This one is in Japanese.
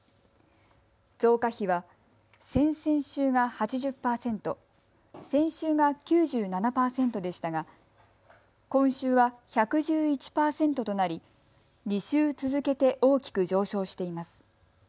増加比は先々週が８０％、先週が９７％でしたが今週は１１１％となり２週続けて大きく上昇しています。